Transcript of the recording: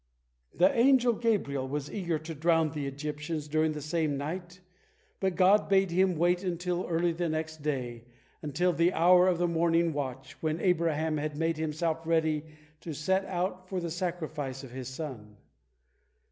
[ 33] The angel Gabriel was eager to drown the Egyptians during the same night, but God bade him wait until early the next day, until the hour of the morning watch, when Abraham had made himself ready to set out for the sacrifice of his son.